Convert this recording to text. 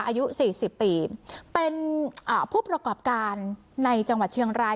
อายุสี่สิบปีเป็นผู้ประกอบการในจังหวัดเชียงราย